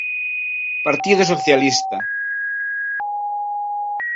Partido Socialista.